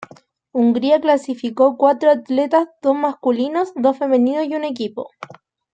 Hungría clasificó cuatro atletas, dos masculinos, dos femeninos y un equipo.